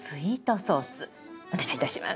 お願いいたします。